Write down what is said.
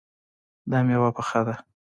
دا میوه پخه ده